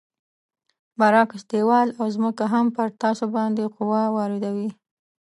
برعکس دیوال او ځمکه هم پر تاسو باندې قوه واردوي.